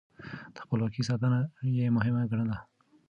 د خپلواکۍ ساتنه يې مهمه ګڼله.